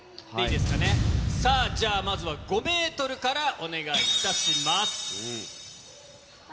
さあ、じゃあ、まずは５メートルからお願いいたします。